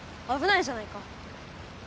あぶないじゃないか。